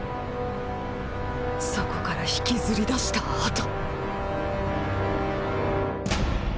そこから引きずり出した後。